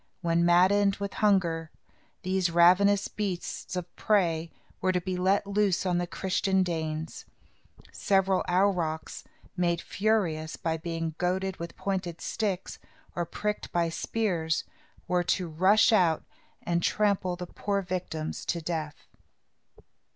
When maddened with hunger, these ravenous beasts of prey were to be let loose on the Christian Danes. Several aurochs, made furious by being goaded with pointed sticks, or pricked by spears, were to rush out and trample the poor victims to death.